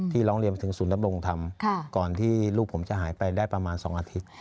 ร้องเรียนไปถึงศูนย์ดำรงธรรมก่อนที่ลูกผมจะหายไปได้ประมาณ๒อาทิตย์